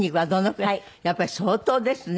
やっぱり相当ですね。